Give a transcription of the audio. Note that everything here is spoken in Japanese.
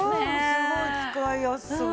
すごい使いやすそう。